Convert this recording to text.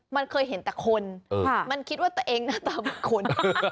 มันเคยเห็นแต่คนมันคิดว่าตัวเองหน้าตาเหมือนคน